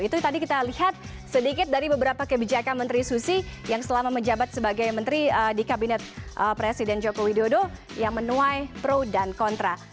itu tadi kita lihat sedikit dari beberapa kebijakan menteri susi yang selama menjabat sebagai menteri di kabinet presiden joko widodo yang menuai pro dan kontra